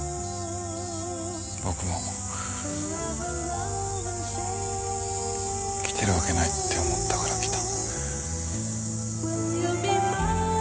僕も来てるわけないって思ったから来た。